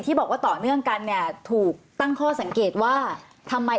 บอกว่าต่อเนื่องกันเนี่ยถูกตั้งข้อสังเกตว่าทำไม